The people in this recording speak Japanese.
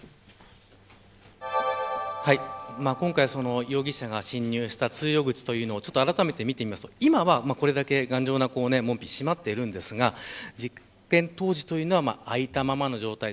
今回容疑者が侵入した通用口というのをあらためて見てみますと今は、これだけ頑丈な門扉、閉まっていますが事件当時は開いたままの状態。